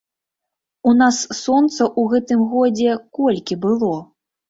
У нас сонца ў гэтым годзе колькі было?